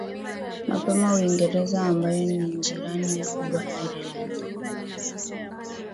mapema uingereza ambayo ni njirani mkubwa ireland